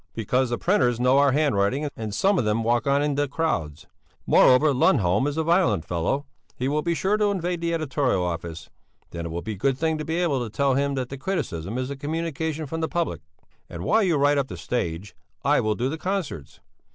"Because the printers know our handwriting and some of them walk on in the crowds. Moreover Lundholm is a violent fellow; he will be sure to invade the editorial office; then it will be a good thing to be able to tell him that the criticism is a communication from the public. And while you write up the stage, I will do the concerts.